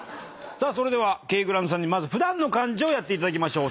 それではケイグラントさんに普段の感じをやっていただきましょう。